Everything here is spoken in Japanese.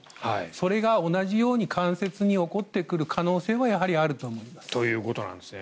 それが同じように関節に起こってくる可能性はということなんですね。